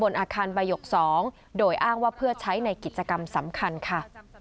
อาคารบายก๒โดยอ้างว่าเพื่อใช้ในกิจกรรมสำคัญค่ะ